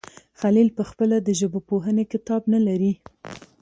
خلیل پخپله د ژبپوهنې کتاب نه لري.